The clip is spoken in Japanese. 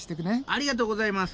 ありがとうございます。